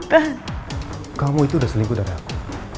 dia selingkuh dari aku